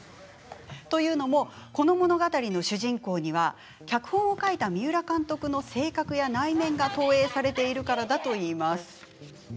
というのもこの物語の主人公には脚本を書いた三浦監督の性格や内面が投影されているからだといいます。